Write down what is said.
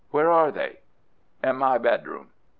Where are they?" "In my bedroom."